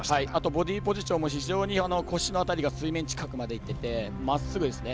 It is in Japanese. ボディーポジションも非常に腰の辺りが水面近くまでいっていてまっすぐですね。